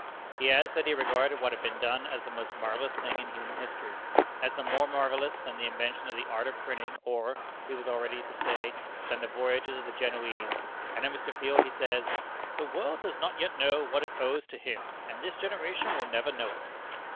He adds that he regarded what had been done as the most marvellous thing in human history; as more marvellous than the invention of the art of printing, or, he was almost ready to say, than the voyages of the Genoese; and of Mr. Field, he says, "The world does not yet know what it owes to him, and this generation will never know it."